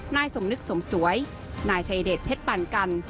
นายสมนึกสมสวยนายชัยเดชเพชรปั่นกัน